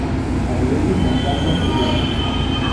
Al oeste con Casbas de Huesca.